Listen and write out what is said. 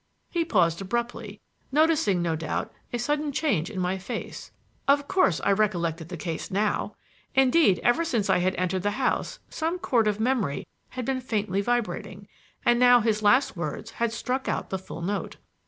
He paused abruptly, noticing, no doubt, a sudden change in my face. Of course I recollected the case now. Indeed, ever since I had entered the house some chord of memory had been faintly vibrating, and now his last words had struck out the full note.